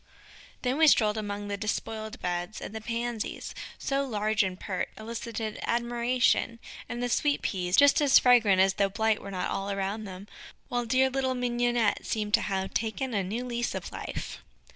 Then we strolled among the despoiled beds, and the Pansies, so large and pert, elicited admiration, and the Sweet Peas, just as fragrant as though blight were not all around them, while dear little Mignonnette seemed to have taken a new lease of life.